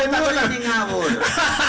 ah kamu lagi ngamur